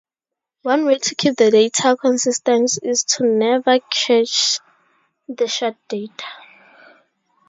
One way to keep the data consistent is to never cache the shared data.